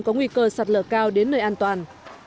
có nguy cơ sạt lở cao đến nơi an toàn